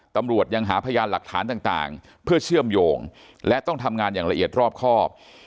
ตำรวจยังหาพยานหลักฐานต่างเพื่อเชื่อมโยงและต้องทำงานอย่างละเอียดรอบครอบ